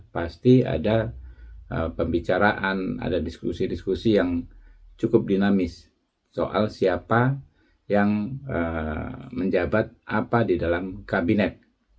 pasti ada pembicaraan ada diskusi diskusi yang cukup dinamis soal siapa yang menjabat apa di dalam kabinet